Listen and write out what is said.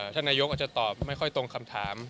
ท่านนายกอาจจะตอบไม่ค่อยตรงคำถาม